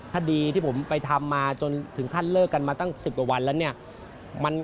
คดีที่ผมไปทำมาจนถึงขั้นเลิกกันมาตั้ง๑๐กว่าวันแล้วเนี่ย